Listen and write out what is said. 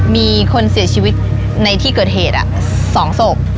มีคนเสียชีวิตในที่เกิดเหตุ๒ศพ